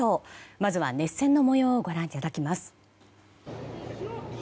まずは熱戦の模様をご覧いただきます。